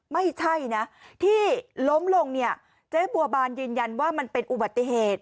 ไม่ใช่นะที่ล้มลงเนี่ยเจ๊บัวบานยืนยันว่ามันเป็นอุบัติเหตุ